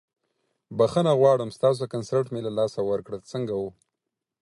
بخښنه غواړم ستاسو کنسرت مې له لاسه ورکړ، څنګه وه؟